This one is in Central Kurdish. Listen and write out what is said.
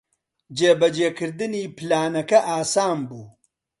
جێبەجێکردنی پلانەکە ئاسان بوو.